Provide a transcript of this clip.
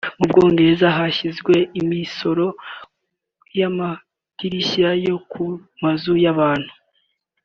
Mu Bwongereza hashyizweho imisoro y’amadirishya yo ku mazu y’abantu